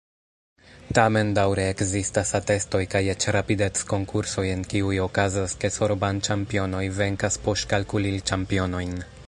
Tamen daŭre ekzistas atestoj kaj eĉ rapidec-konkursoj, en kiuj okazas, ke soroban-ĉampionoj venkas poŝkalkulil-ĉampionojn.